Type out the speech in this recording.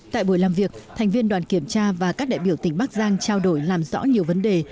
tại buổi làm việc thành viên đoàn kiểm tra và các đại biểu tỉnh bắc giang trao đổi làm rõ nhiều vấn đề